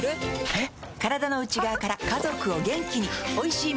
えっ？